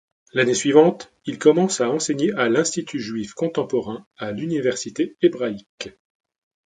L'année suivante, il commence à enseigner à l'Institut juif contemporain à l'université hébraïque.